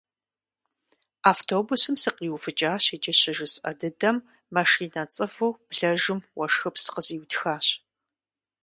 Автобусым сыкъиувыкӏащ иджы щыжысӏэ дыдэм машинэ цӏыву блэжым уэшхыпс къызиутхащ.